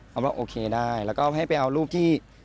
เขาบอกโอเคได้แล้วก็ให้ไปเอารูปที่